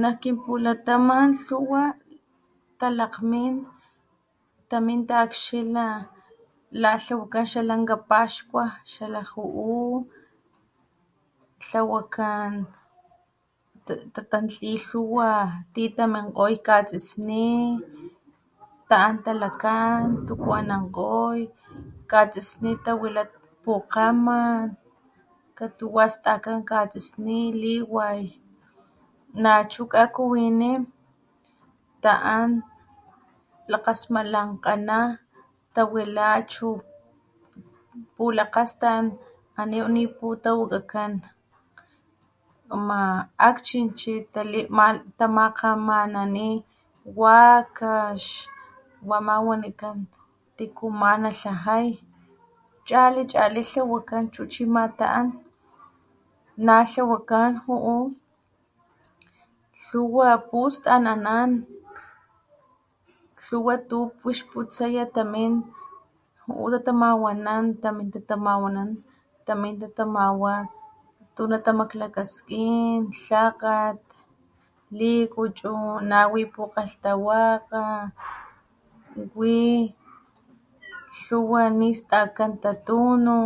Nak kinpulataman talakgmin lhuwa akxni tlawakan xapaxkua tlawakan tatantli lhuwa ti taminkgoy katsisni ta an talakan tuku anakgoy katsisni tawila pukgaman, katuwa stakan katsisni liway nachu kakuwini taan lakgasmalankana tawila achu pulakgastan ana niputawakakan ama akchinchi, tamakgmanani wakax wama wanikan tiku na tlaja chali chali tlawakan chu chi ama taan natlawakan juu lhuwa pustan anan lhuwa tu wix putsaya juu tatamawanan, tatamawa tunatamaklakaskin lhakgat likuchu nawi pukgalhtawakga wi lhuwa nistakan tatunu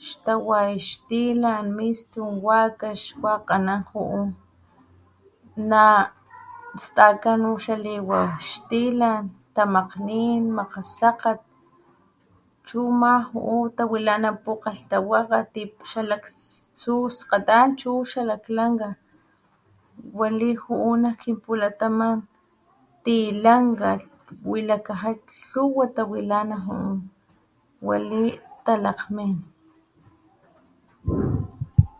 xtawa mistun xtilan wakax wakg ana juu nastakan xaliwa xtilan tamakgnin makgasakgat chu ama juu tawlana pukgalhtawakga ti chu xalakgskgatan chu xalaklanka wali juu nak kinpulataman tilanka wilakaja lhuwa tawilana nak juu wali lalakgmin.